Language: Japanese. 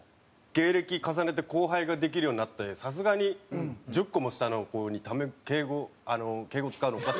芸歴重ねて後輩ができるようになってさすがに１０個も下の子にタメ敬語あの敬語使うのおかしいんで。